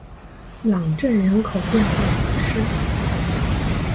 朗镇人口变化图示